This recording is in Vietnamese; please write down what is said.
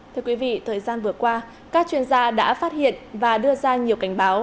thưa quý vị thời gian vừa qua các chuyên gia đã phát hiện và đưa ra nhiều cảnh báo